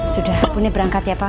sudah punya berangkat ya pak